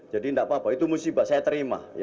jadi enggak apa apa itu musibah saya terima